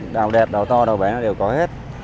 đào đẹp đào to đào bé đều có hết